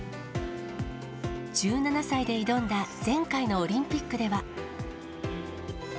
１７歳で挑んだ前回のオリンピックでは。